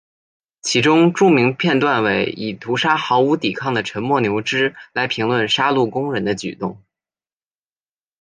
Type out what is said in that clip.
其中著名片段为以屠杀毫无抵抗的沉默牛只来评论杀戮工人的举动。